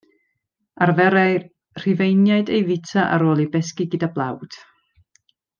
Arferai'r Rhufeiniaid ei fwyta, ar ôl ei besgi gyda blawd.